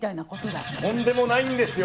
とんでもないんですよ